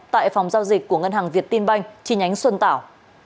tại phòng giao dịch của ngân hàng việt tin banh chi nhánh xuân tảo